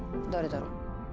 誰だろう。